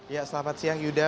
ya selamat siang yuda